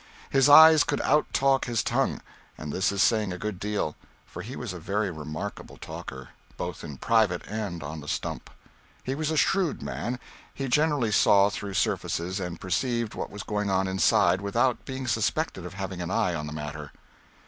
His eyes could outtalk his tongue, and this is saying a good deal, for he was a very remarkable talker, both in private and on the stump. He was a shrewd man; he generally saw through surfaces and perceived what was going on inside without being suspected of having an eye on the matter.